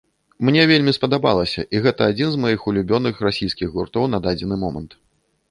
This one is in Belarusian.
Мне вельмі спадабалася, і гэта адзін з маіх улюбёных расійскіх гуртоў на дадзены момант.